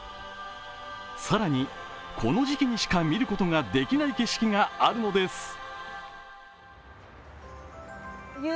更にこの時期にしか見ることができない景色があるのです。